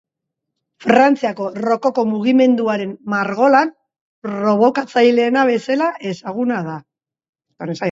Frantziako Rokoko mugimenduaren margolan probokatzaileena bezala ezaguna da.